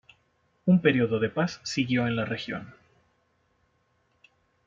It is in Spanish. Un periodo de paz siguió en la región.